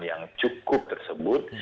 yang cukup tersebut